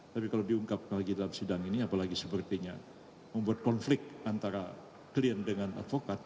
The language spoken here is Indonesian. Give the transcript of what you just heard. tapi kalau diungkapkan lagi dalam sidang ini apalagi sepertinya membuat konflik antara klien dengan advokat